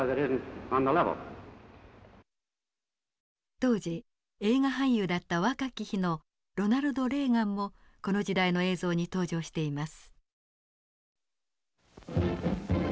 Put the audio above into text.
当時映画俳優だった若き日のロナルド・レーガンもこの時代の映像に登場しています。